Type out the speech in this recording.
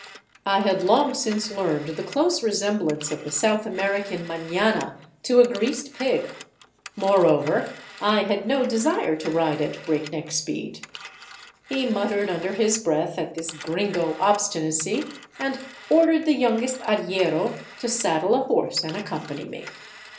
I had long since learned the close resem blance of the South American manana to a greased pig; moreover, I had no desire to ride at breakneck speed. He muttered under his 309 VAGABONDING DOWN THE ANDES breath at this gringo obstinacy, and ordered the youngest arriero to saddle a horse and accompany me.